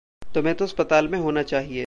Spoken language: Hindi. तुम्हें तो अस्पताल में होना चाहिए।